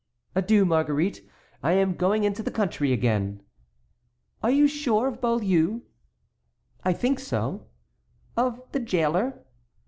"Adieu, Marguerite. I am going into the country again." "Are you sure of Beaulieu?" "I think so." "Of the jailer?"